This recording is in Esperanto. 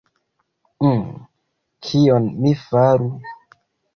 Uh... kion mi faru?